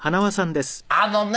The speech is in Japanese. あのね！